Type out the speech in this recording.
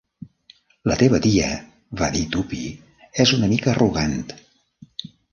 La teva tia", va dir Tuppy, "és una mica arrogant.